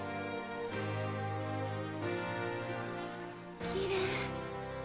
あきれい。